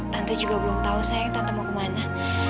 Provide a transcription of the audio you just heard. tante juga belum tau sayang tante mau kemana